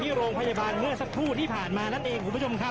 โรงพยาบาลเมื่อสักครู่ที่ผ่านมานั่นเองคุณผู้ชมครับ